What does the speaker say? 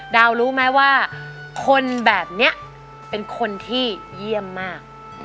รู้ไหมว่าคนแบบนี้เป็นคนที่เยี่ยมมาก